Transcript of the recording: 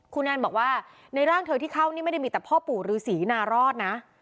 คุณแอนบอกว่าในร่างเธอที่เข้านี่ไม่ได้มีแต่พ่อปู่ฤษีนารอดนะ